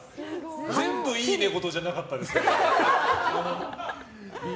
全部いい寝言じゃなかったですけど。